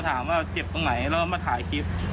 ถามว่าเจ็บตรงไหนแล้วมาถ่ายคลิป